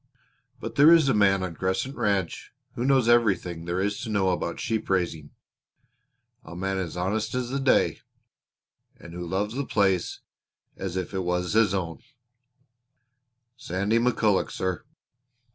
But there is a man on Crescent Ranch who knows everything there is to know about sheep raising a man honest as the day, and who loves the place as if it was his own Sandy McCulloch, sir.